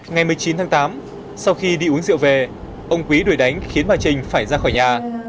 ngày một mươi chín tháng tám sau khi đi uống rượu về ông quý đuổi đánh khiến bà trình phải ra khỏi nhà